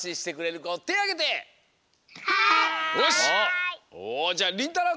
おじゃありんたろうくん！